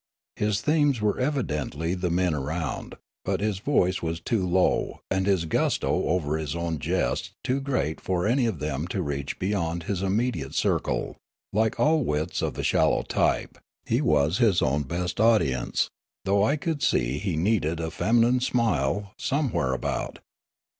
His themes were evidently the men around, but his voice was too low and his gusto over his own jests too great for anj' of them to reach beyond his immedi ate circle ; like all wits of the shallow type, he was his own best audience, though I could see he needed a feminine smile somewhere about.